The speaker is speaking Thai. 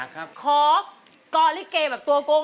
กลัวริเกะแบบตัวโกง